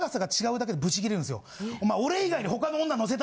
お前。